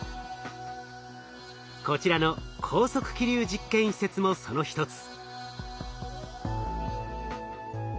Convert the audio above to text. こちらの高速気流実験施設もその一つ。